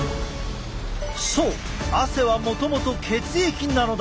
そう汗はもともと血液なのだ。